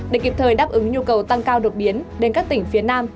để kịp thời đáp ứng nhu cầu tăng cao đột biến đến các tỉnh phía nam